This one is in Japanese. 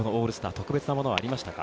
特別なものはありましたか？